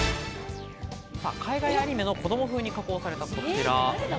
海外アニメの子供風に加工されたこちら。